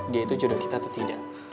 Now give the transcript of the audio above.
dia itu judul kita atau tidak